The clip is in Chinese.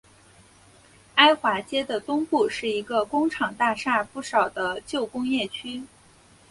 埃华街的东部是一个工厂大厦不少的旧工业区。